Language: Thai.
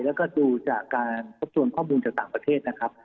แล้วก็ดูจากการทบทวนข้อมูลจากต่างประเทศนะครับ